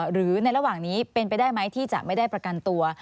หรือในระหว่างนี้เป็นไปได้ไหมที่จะไม่ได้ประกันตัว